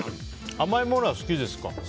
甘いものは好きですか？